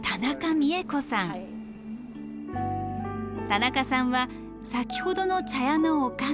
田中さんは先ほどの茶屋のおかみ。